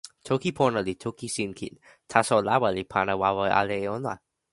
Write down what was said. toki pona li toki sin kin, taso lawa li pana wawa ala e ona.